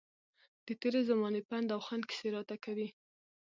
د تېرې زمانې پند او خوند کیسې راته کوي.